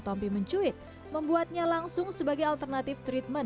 tompi mencuit membuatnya langsung sebagai alternatif treatment